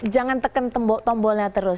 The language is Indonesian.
jangan tekan tombolnya terus